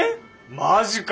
マジか！